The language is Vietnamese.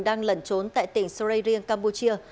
đang lẩn trốn tại tỉnh surayriang campuchia